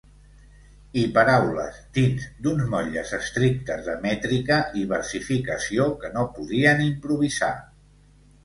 I paraules dins d'uns motlles estrictes de mètrica i versificació que no podien improvisar.